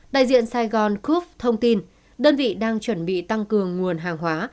đại diện saigon coup thông tin đơn vị đang chuẩn bị tăng cường nguồn hàng hóa